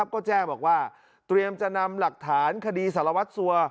ก็แจ้งบอกว่าเตรียมจะนำหลักฐานคดีสารวัตรสัว